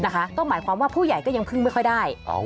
ก็หมายความว่าผู้ใหญ่ก็ยังพึ่งไม่ค่อยได้